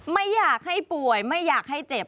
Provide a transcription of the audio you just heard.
ไม่อยากให้ป่วยไม่อยากให้เจ็บ